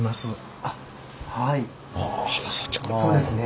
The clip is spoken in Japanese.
はいそうですね